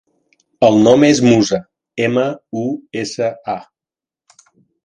El nom és Musa: ema, u, essa, a.